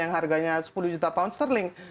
yang harganya sepuluh juta pound sterling